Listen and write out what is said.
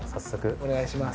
お願いします。